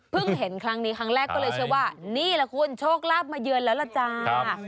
เห็นครั้งนี้ครั้งแรกก็เลยเชื่อว่านี่แหละคุณโชคลาภมาเยือนแล้วล่ะจ้า